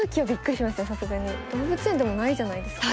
動物園でもないじゃないですか。